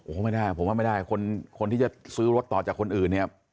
โอ้โหไม่ได้ผมว่าไม่ได้คนที่จะซื้อรถต่อจากคนอื่นเนี่ย